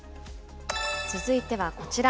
続いてはこちら。